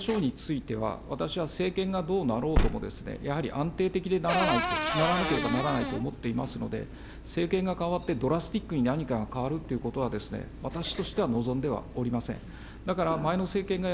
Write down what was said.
まず、安全保障については、私は政権がどうなろうとも、やはり安定的でならなければならないと思っていますので、政権が代わってドラスティックに何かが変わるっていうことは、私としては望んではおりません。